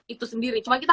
itu sendiri cuma kita